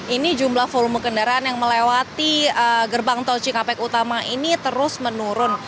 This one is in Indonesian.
ini jumlah volume kendaraan yang melewati gerbang tol cikampek utama ini terus menurun